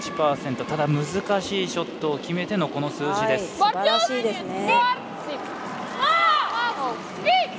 ただ難しいショットを決めてのこの数字です。